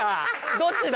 どっちだ？